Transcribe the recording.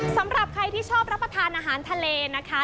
สำหรับใครที่ชอบรับประทานอาหารทะเลนะคะ